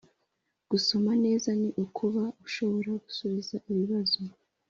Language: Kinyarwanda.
Gusoma neza ni ukuba ushobora gusubiza ibibazo